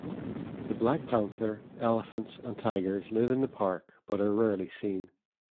The black panther, elephants and tigers live in the park but are rarely seen.